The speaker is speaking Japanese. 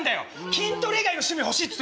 筋トレ以外の趣味欲しいっつってんの私。